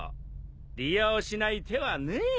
利用しない手はねえ。